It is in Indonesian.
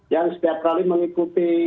yang setiap kali mengikuti